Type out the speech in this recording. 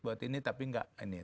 buat ini tapi enggak ini